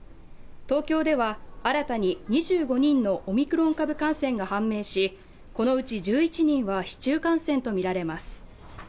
東京では新たに２５人のオミクロン株感染が判明し、このうち１１人は市中感染とみられます。